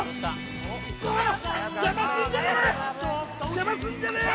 邪魔すんじゃねぇ！